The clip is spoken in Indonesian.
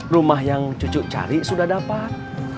rumah yang cucu cari sudah dapat